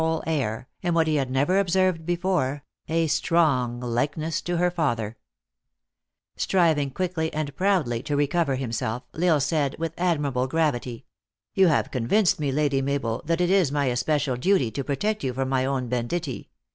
whole air, and, what he had never observed before, a strong likeness to her father. THE ACTRESS IN HIGH LIFE. 375 Striving quickly and proudly to recover himself, L Isle said, with admirable gravity, " You have con vinced me, Lady Mabel, that it is my especial duty to protect you from my own banditti.